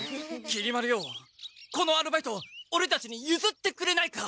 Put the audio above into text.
きり丸よこのアルバイトオレたちにゆずってくれないか？